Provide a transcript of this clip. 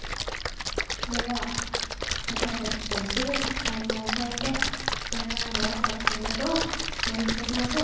それでは私たちと一緒に最高を超えて、これからもワクワクすることをやり尽くしましょう。